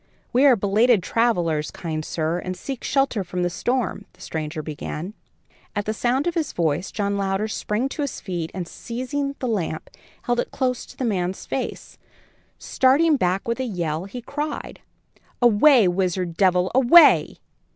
"We are belated travellers, kind sir, and seek shelter from the storm," the stranger began. At sound of his voice, John Louder sprang to his feet, and, seizing the lamp, held it close to the man's face. Starting back with a yell, he cried: "Away! wizard, devil, away!